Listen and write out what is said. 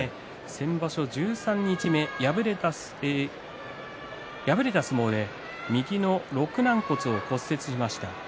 先場所、十三日目に敗れた相撲で右のろく軟骨を骨折しました。